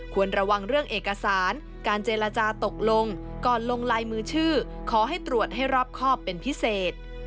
ควรระวังเรื่องเอกสารการเจรจาตกลงก่อนลงลายมือชื่อขอให้ตรวจให้รอบครอบเป็นพิเศษ